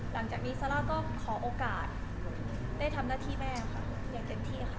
หลังจากนี้ซาร่าก็ขอโอกาสได้ทำหน้าที่แม่ค่ะอย่างเต็มที่ค่ะ